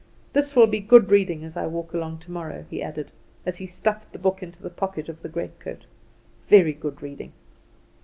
"This will be good reading as I walk along tomorrow," he added, as he stuffed the book into the pocket of the greatcoat; "very good reading."